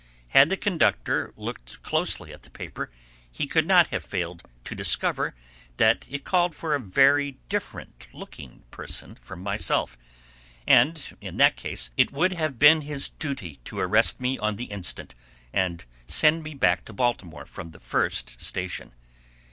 Had the conductor looked closely at the paper, he could not have failed to discover that it called for a very different looking person from myself, and in that case it would have been his duty to arrest me on the instant, and send me back to Baltimore from the first station.